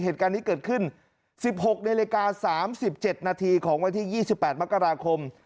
เหตุการณ์นี้เกิดขึ้นสิบหกในรายการสามสิบเจ็ดนาทีของวันที่ยี่สิบแปดมกราคม